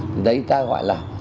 thì đấy ta gọi là